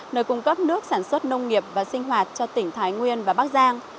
nơi cung cấp nước sản xuất nông nghiệp và sinh hoạt cho tỉnh thái nguyên và bắc giang